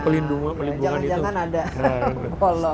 jangan jangan ada kolong